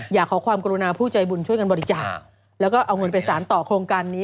อยากขอความกรุณาผู้ใจบุญช่วยกันบริจาคแล้วก็เอาเงินไปสารต่อโครงการนี้